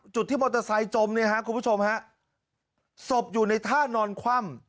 จุดที่มอเตอร์ไซค์จมเนี่ยฮะคุณผู้ชมฮะศพอยู่ในท่านอนคว่ำ